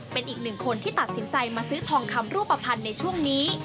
เป็นอีกหนึ่งคนที่ตัดสินใจมาซื้อทองคำรูปภัณฑ์ในช่วงนี้